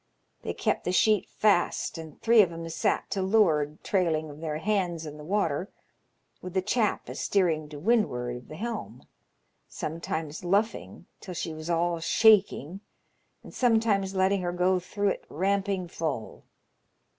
They kep' the sheet fast, and three of 'em sat to loo'ard trailing of their hands in the water, with the chap a'steering to windward of the helm, sometimes luffing till she was all shaking, and sometimes letting her go through it ramping full.